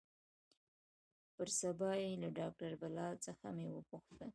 پر سبا يې له ډاکتر بلال څخه مې وپوښتل.